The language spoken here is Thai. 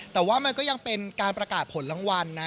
แต่ว่ามันก็ยังเป็นการประกาศผลรางวัลนะ